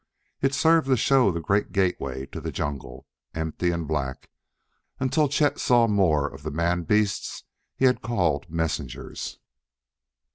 It served to show the great gateway to the jungle, empty and black, until Chet saw more of the man beasts he had called messengers.